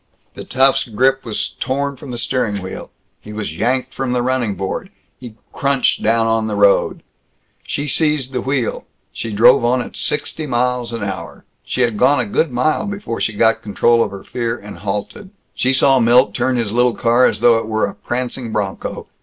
The tough's grip was torn from the steering wheel. He was yanked from the running board. He crunched down on the road. She seized the wheel. She drove on at sixty miles an hour. She had gone a good mile before she got control of her fear and halted. She saw Milt turn his little car as though it were a prancing bronco.